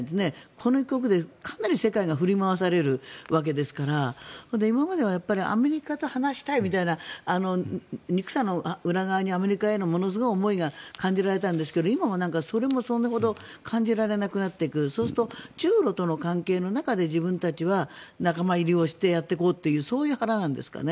この一国でかなり世界が振り回されるわけですから今まではアメリカと話したいみたいな憎さの裏側にアメリカへの思いが感じられたんですが今はそれもそれほど感じられなくなってくるそうすると、中ロとの関係の中で自分たちは仲間入りをしてやっていこうっていうそういう腹なんですかね。